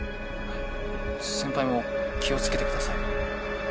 先輩も気をつけてくださいね。